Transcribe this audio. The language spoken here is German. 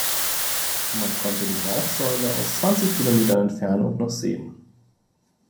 Man konnte die Rauchsäule aus zwanzig Kilometern Entfernung noch sehen.